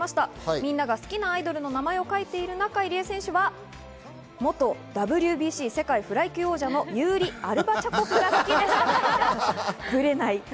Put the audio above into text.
みんなが好きなアイドルの名前を書いている中、入江選手は音ＷＢＣ世界フライ級王者の勇利アルバチャコフが好きですと。